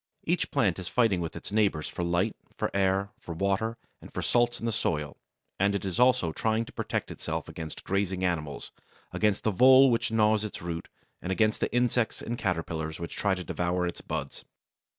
Each plant is fighting with its neighbours for light, for air, for water, and for salts in the soil, and it is also trying to protect itself against grazing animals, against the vole which gnaws its roots, and against the insects and caterpillars which try to devour its buds.